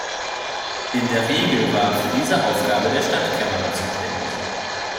In der Regel war für diese Aufgabe der Stadtkämmerer zuständig.